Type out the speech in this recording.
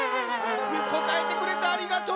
こたえてくれてありがとうな。